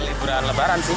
ini liburan lebaran sih